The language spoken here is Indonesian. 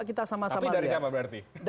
kita sama sama dari siapa berarti